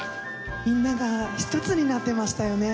みんなが一つになってましたよね。